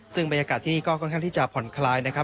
ซึ่งบรรยากาศที่ก็ค่อนข้างที่จะผ่อนคลายนะครับ